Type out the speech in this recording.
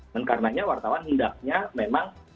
dan karenanya wartawan hendaknya memang